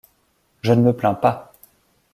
Je ne me plains pas !